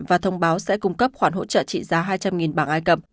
và thông báo sẽ cung cấp khoản hỗ trợ trị giá hai trăm linh bảng ai cập